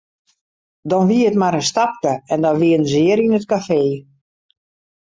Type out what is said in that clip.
Dan wie it mar in stapke en dan wienen se hjir yn it kafee.